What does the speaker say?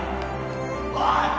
おい！